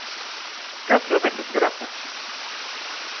Catro veces grazas.